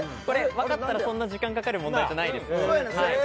分かったらそんな時間かかる問題じゃないです。